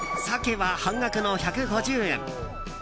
サケは半額の１５０円。